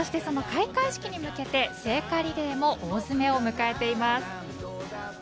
開会式に向けて聖火リレーも大詰めを迎えています。